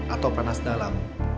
atau panas dalam